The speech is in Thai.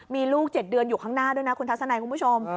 มีลูก๗เดือนอยู่ข้างหน้าด้วยนะคุณทัศนัยคุณผู้ชม